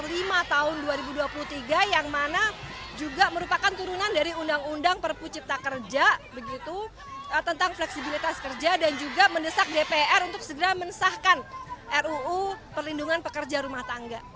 nomor lima tahun dua ribu dua puluh tiga yang mana juga merupakan turunan dari undang undang perpu cipta kerja tentang fleksibilitas kerja dan juga mendesak dpr untuk segera mensahkan ruu perlindungan pekerja rumah tangga